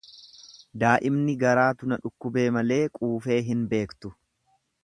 Daa'imni garaatu na dhukkubee malee quufee hin beektu.